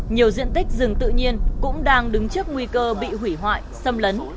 nhiều diện tích rừng tự nhiên cũng đang đứng trước nguy cơ bị hủy hoại xâm lấn